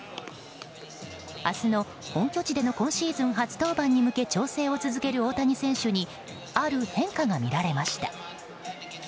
明日の本拠地での今シーズン初登板に向け調整を続ける大谷選手にある変化が見られました。